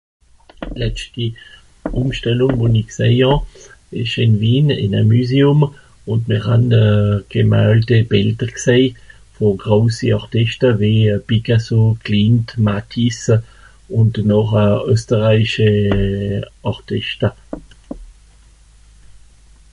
Letschti Ùmstellùng, wo-n-i gsèih hà, ìsch ìn Wien ìm e Müséum, ùn mìr han euh gemalte Bìlder gsèi, vù grosi Àrtìschta wie euh Picasso, Klimt, Matisse, ùnd euh noch Österreich euh... Àrtìschta.